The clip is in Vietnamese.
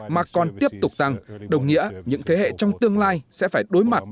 mà còn tiếp tục tăng đồng nghĩa những thế hệ trong tương lai sẽ phải đối mặt